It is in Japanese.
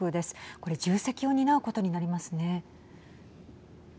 これ、重責を担うことになりますね。